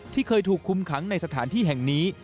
เคยถูกคุมขังในสถานที่แห่งนี้